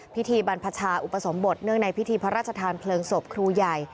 พิธีบรรพชาอุปสมบทเนื่องในพิธีพระราชทานเพลิงศพครูใหญ่